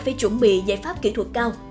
phải chuẩn bị giải pháp kỹ thuật cao